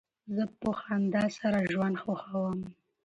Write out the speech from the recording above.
زه په خندا سره ژوند خوښوم.